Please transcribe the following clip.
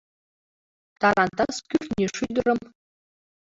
Тарантас кӱртньӧ шӱдырым